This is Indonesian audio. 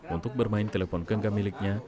untuk bermain telepon genggam miliknya